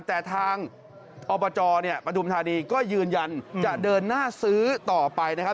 แต่ทางอบจปฐุมธานีก็ยืนยันจะเดินหน้าซื้อต่อไปนะครับ